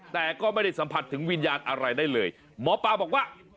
แต่ก็ไม่ได้สัมผัสถึงวิญญาณอะไรได้เลยหมอปลาบอกว่า